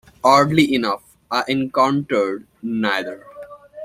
Oddly enough, I encountered neither.